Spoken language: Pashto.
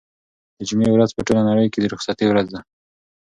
د جمعې ورځ په ټوله نړۍ کې د رخصتۍ ورځ ده.